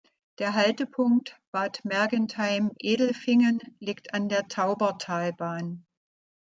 Der Haltepunkt "Bad Mergentheim-Edelfingen" liegt an der Taubertalbahn.